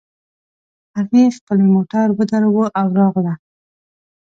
هغې خپلې موټر ودراوو او راغله